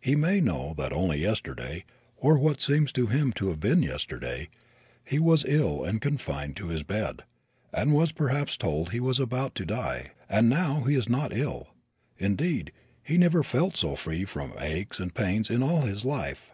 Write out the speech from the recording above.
He may know that only yesterday, or what seems to him to have been yesterday, he was ill and confined to his bed, and was perhaps told that he was about to die; and now he is not ill; indeed, he never felt so free from aches and pains in all his life.